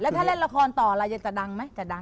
แล้วถ้าเล่นละครต่อล่ะจะดังไหมจะดังไหม